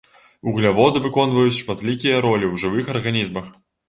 Вугляводы выконваюць шматлікія ролі ў жывых арганізмах.